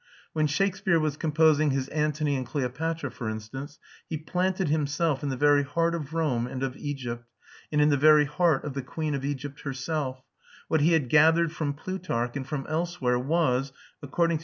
When Shakespeare was composing his Antony and Cleopatra, for instance, he planted himself in the very heart of Rome and of Egypt, and in the very heart of the Queen of Egypt herself; what he had gathered from Plutarch and from elsewhere was, according to M.